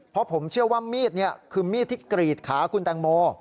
เพราะผมเชื่อว่ามีดนี่คือมีดที่กรีดขาคุณแตงโม